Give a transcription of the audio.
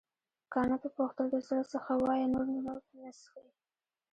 کانت وپوښتل د زړه څخه وایې نور نه څښې.